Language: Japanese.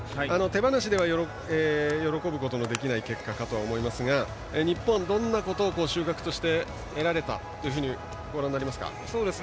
手放しでは喜ぶことのできない結果かと思いますが日本はどんなことを収穫として得られたとご覧になりますか？